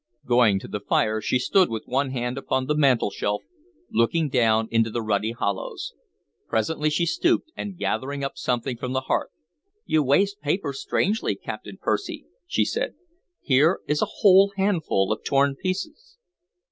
Going to the fire, she stood with one hand upon the mantelshelf, looking down into the ruddy hollows. Presently she stooped and gathered up something from the hearth. "You waste paper strangely, Captain Percy," she said. "Here is a whole handful of torn pieces."